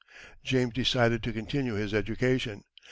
James decided to continue his education.